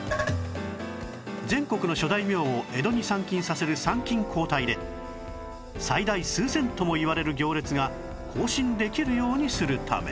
全国の諸大名を江戸に参勤させる参勤交代で最大数千ともいわれる行列が行進できるようにするため